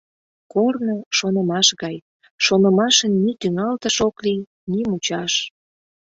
Корно — шонымаш гай, шонымашын ни тӱҥалтыш ок лий, ни мучаш.